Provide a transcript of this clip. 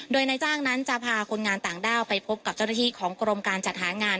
โดยนายจ้างนั้นจะพาคนงานต่างด้าวไปพบกับเจ้าหน้าที่ของกรมการจัดหางาน